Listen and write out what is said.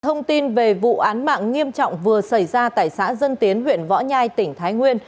thông tin về vụ án mạng nghiêm trọng vừa xảy ra tại xã dân tiến huyện võ nhai tỉnh thái nguyên